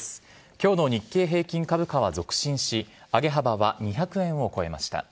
きょうの日経平均株価は続伸し、上げ幅は２００円を超えました。